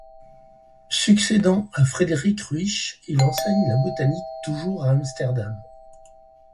Succédant à Frederik Ruysch, il enseigne la botanique toujours à Amsterdam.